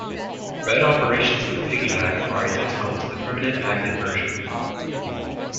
Read operations in the piggyback are identical to the permanent magnet version.